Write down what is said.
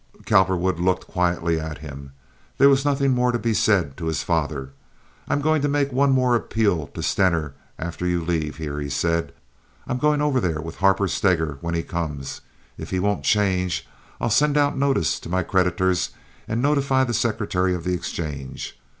Cowperwood looked quietly at him. There was nothing more to be said to his father. "I'm going to make one more appeal to Stener after you leave here," he said. "I'm going over there with Harper Steger when he comes. If he won't change I'll send out notice to my creditors, and notify the secretary of the exchange.